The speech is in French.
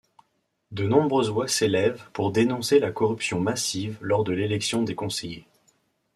De nombreuses voix s’élèvent pour dénoncer la corruption massive lors de l’élection des conseillers.